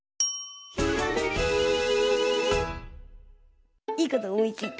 「ひらめき」いいことおもいついた。